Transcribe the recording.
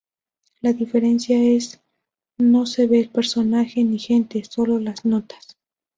La diferencia es no se ve al personaje, ni gente, sólo las notas.